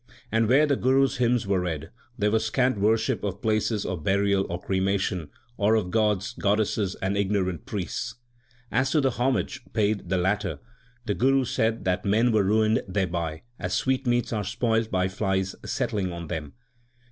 And where the Guru s hymns were read, there was scant worship of places of burial or cremation, or of gods, god desses, and ignorant priests. As to the homage paid the latter, the Guru said that men were ruined thereby, as sweetmeats are spoiled by flies settling on them.